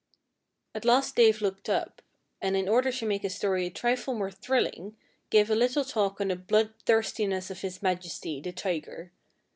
At last Dave looked up, and in order to make his story a trifle more thrilling, gave a little talk on the bloodthirstiness of his majesty, the tiger.